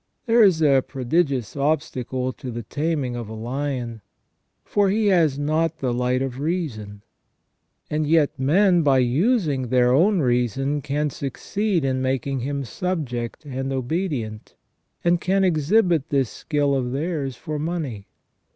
There is a prodi gious obstacle to the taming of a lion, for he has not the light of reason, and yet men by using their own reason can succeed in making him subject and obedient, and can exhibit this skill of theirs for money.